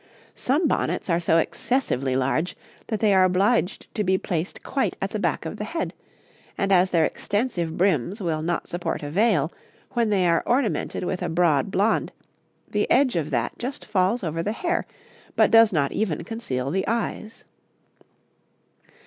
Some bonnets are so excessively large that they are obliged to be placed quite at the back of the head; and as their extensive brims will not support a veil, when they are ornamented with a broad blond, the edge of that just falls over the hair, but does not even conceal the eyes.